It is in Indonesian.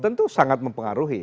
tentu sangat mempengaruhi